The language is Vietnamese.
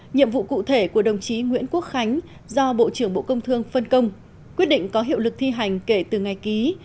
nhiệm vụ cụ thể của đồng chí nguyễn quốc khánh do bộ trưởng bộ công thương phân công quyết định có hiệu lực thi hành kể từ ngày ký